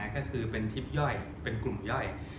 ก็คือเป็นทริปย่อยเป็นกลุ่มย่อย